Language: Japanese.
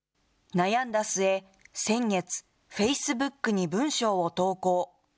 悩んだ末、先月、フェイスブックに文章を投稿。